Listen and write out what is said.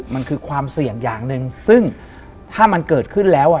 มันคือความเสี่ยงอย่างหนึ่งซึ่งถ้ามันเกิดขึ้นแล้ว